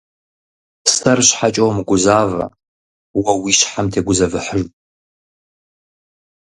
Сэр щхьэкӀэ умыгузавэ уэ, уи щхьэм тегузэвыхьыж.